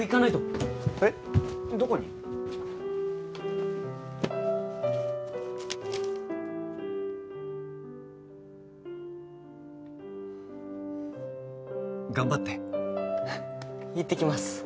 いってきます。